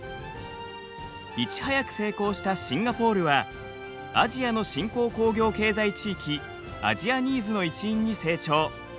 いち早く成功したシンガポールはアジアの新興工業経済地域アジアＮＩＥｓの一員に成長。